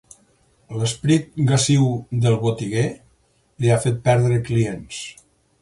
L'esperit gasiu del botiguer li ha fet perdre clients.